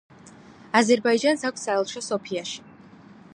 აზერბაიჯანს აქვს საელჩო სოფიაში.